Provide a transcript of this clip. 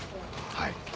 はい。